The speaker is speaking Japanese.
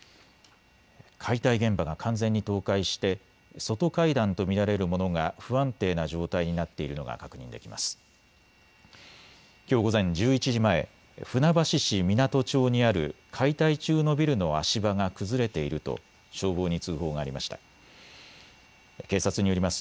解体現場が完全に倒壊して外階段と見られるものが不安定な状態になっているのが確認できます。